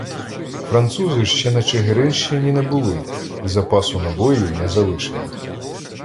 Французи ще на Чигиринщині не були і запасу набоїв не залишили.